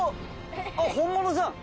あっ本物じゃん。